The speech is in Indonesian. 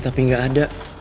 tapi gak ada